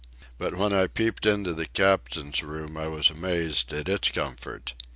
But when I peeped into the captain's room I was amazed at its comfort.